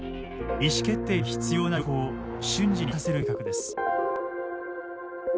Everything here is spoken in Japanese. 意思決定に必要な情報を瞬時に抽出させる計画です。